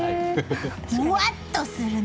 もわっとするね。